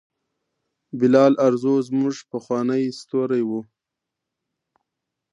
بلال ارزو زموږ پخوانی ستوری و.